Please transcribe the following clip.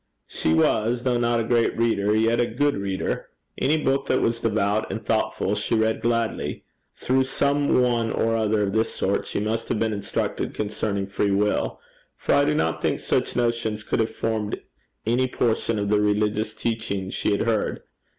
She was, though not a great reader, yet a good reader. Any book that was devout and thoughtful she read gladly. Through some one or other of this sort she must have been instructed concerning free will, for I do not think such notions could have formed any portion of the religious teaching she had heard.